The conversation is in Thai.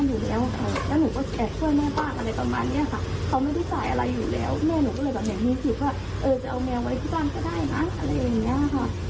แม่หนูก็เลยแบบแบบนี้คิดว่าเออจะเอาแมวไว้ที่บ้านก็ได้นะอะไรอย่างเงี้ยค่ะ